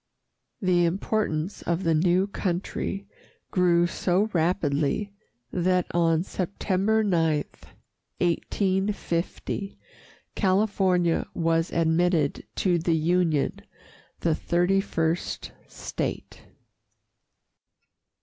The importance of the new country grew so rapidly that on September 9, 1850, California was admitted to the Union, the thirty first state.